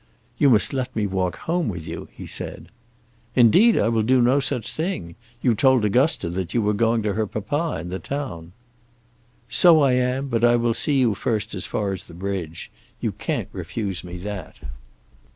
"You must let me walk home with you," he said. "Indeed I will do no such thing. You told Augusta that you were going to her papa in the town." "So I am, but I will see you first as far as the bridge; you can't refuse me that."